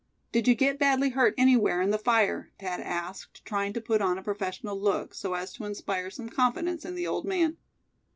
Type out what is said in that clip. "Did you get badly hurt anywhere, in the fire?" Thad asked, trying to put on a professional look, so as to inspire some confidence in the old man.